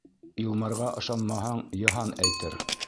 Илмарға ышанмаһаң, Йыһан әйтер.